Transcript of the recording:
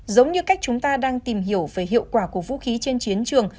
giống như cách chúng ta đang tìm hiểu về hiệu quả của vũ khí trên chiến trường